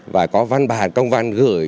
và có văn bản công văn gửi